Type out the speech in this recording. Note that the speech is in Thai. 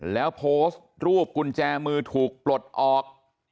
แล้วโพสต์รูปกุญแจมือถูกปลดออก